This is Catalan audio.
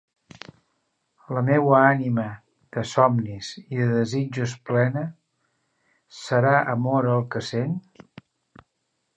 La meua ànima de somnis i de desitjos plena, serà amor el que sent?